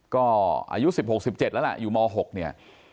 ก็อายุ๑๖๑๗แล้วล่ะอยู่ม๖เนี่ย